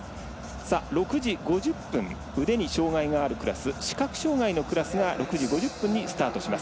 ６時５０分腕に障がいがあるクラス視覚障がいのクラスが６時５０分にスタートします。